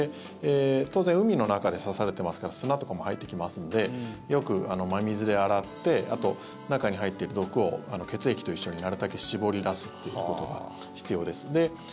当然、海の中で刺されてますから砂とかも入ってきますのでよく真水で洗ってあと、中に入っている毒を血液と一緒に、なるたけ絞り出すということが必要です。